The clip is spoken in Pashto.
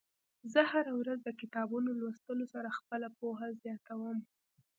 زه هره ورځ د کتابونو لوستلو سره خپله پوهه زياتوم.